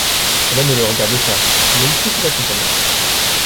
Cela ne le regarde pas ; mais il peut vous accompagner…